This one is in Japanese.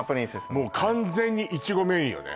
もう完全にいちごメインよね